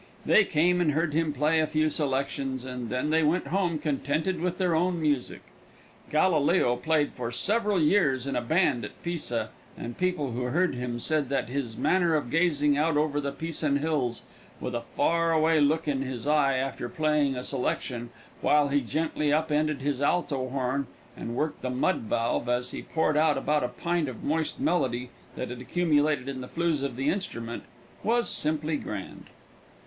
They came and heard him play a few selections, and then they went home contented with their own music. Galileo played for several years in a band at Pisa, and people who heard him said that his manner of gazing out over the Pisan hills with a far away look in his eye after playing a selection, while he gently up ended his alto horn and worked the mud valve as he poured out about a pint of moist melody that had accumulated in the flues of the instrument, was simply grand.